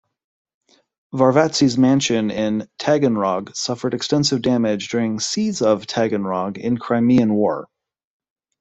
Varvatsi's mansion in Taganrog suffered extensive damage during Siege of Taganrog in Crimean War.